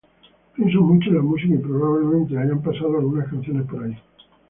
Pienso mucho en la música y probablemente hayan pasado algunas canciones por ahí.